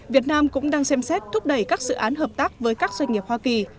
việt nam cũng đang xem xét thúc đẩy các dự án hợp tác với các doanh nghiệp hoa kỳ